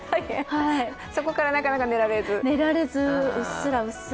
そこからなかなか寝られず。